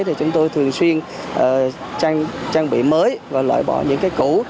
thì chúng tôi thường xuyên trang bị mới và loại bỏ những cái cũ